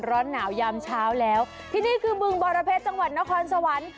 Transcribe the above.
ร้อนหนาวยามเช้าแล้วที่นี่คือบึงบรเพชรจังหวัดนครสวรรค์